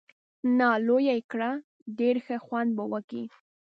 نه، لویه یې کړه، ډېر ښه خوند به وکړي.